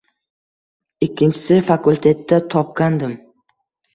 Ikkinchisi fakultetda topgandim